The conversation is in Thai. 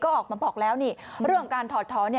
ก็ออกมาบอกแล้วนี่เรื่องการถอดท้อน